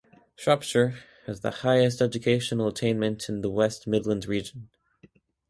Shropshire has the highest educational attainment in the West Midlands region.